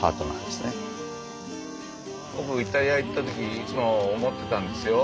僕イタリア行った時にいつも思ってたんですよ。